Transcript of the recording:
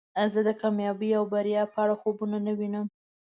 زه د کامیابۍ او بریا په اړه خوبونه نه وینم.